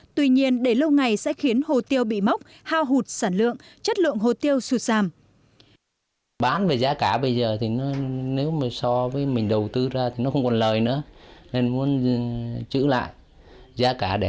tuy nhiên để lâu ngày sẽ khiến hồ tiêu bị mốc hao hụt sản lượng